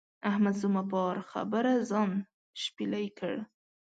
احمد زما پر خبره ځان شپېلی کړ.